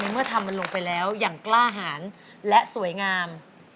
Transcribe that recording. เมื่อทำมันลงไปแล้วอย่างกล้าหารและสวยงาม